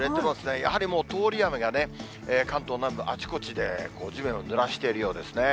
やはりもう通り雨が関東南部、あちこちで地面をぬらしているようですね。